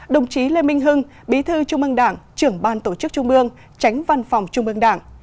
đồng chí lê minh hưng bí thư trung ương đảng trưởng ban tổ chức trung ương tránh văn phòng trung ương đảng